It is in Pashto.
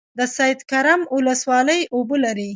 د سید کرم ولسوالۍ اوبه لري